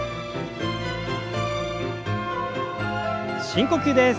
深呼吸です。